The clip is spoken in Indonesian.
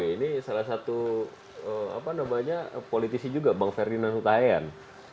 ini salah satu politisi juga bang ferdinand hutayan